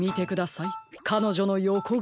かのじょのよこがおを。